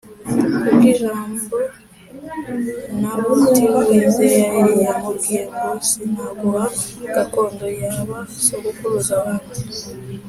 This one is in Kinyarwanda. ku bw’ijambo Naboti w’i Yezerēli yamubwiye ngo “Sinaguha gakondo ya ba sogokuruza banjye”